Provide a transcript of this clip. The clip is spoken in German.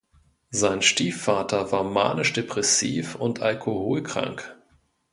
Sein Stiefvater war manisch-depressiv und alkoholkrank.